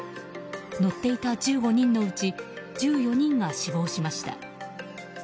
乗っていた１５人のうち１４人が死亡しました。